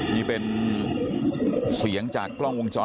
มีเป็นเสียงจากกล้องวงจรปิดนะครับ